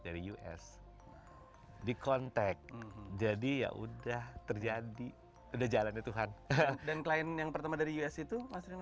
dari us di contact jadi ya udah terjadi udah jalan tuhan dan klien yang pertama dari us itu mas rian